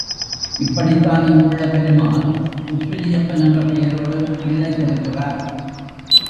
இப்படித் தான் இங்குள்ள பெருமாள் உப்பிலி அப்பன் என்ற பெயரோடு நிலைத்திருக்கிறார்.